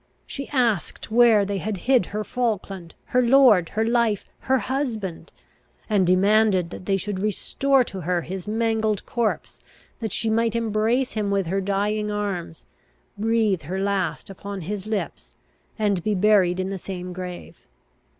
She asked, where they had hid her Falkland, her lord, her life, her husband! and demanded that they should restore to her his mangled corpse, that she might embrace him with her dying arms, breathe her last upon his lips, and be buried in the same grave.